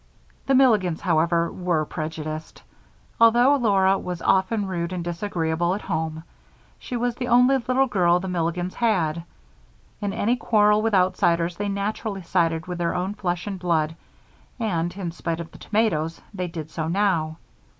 The Milligans, however, were prejudiced. Although Laura was often rude and disagreeable at home, she was the only little girl the Milligans had; in any quarrel with outsiders they naturally sided with their own flesh and blood, and, in spite of the tomatoes, they did so now.